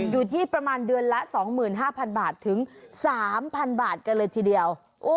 อยู่ที่ประมาณเดือนละ๒๕๐๐บาทถึง๓๐๐บาทกันเลยทีเดียว